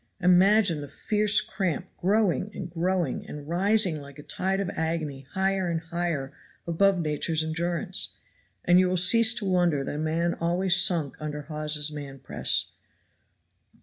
Imagine the fierce cramp growing and growing, and rising like a tide of agony higher and higher above nature's endurance, and you will cease to wonder that a man always sunk under Hawes's man press.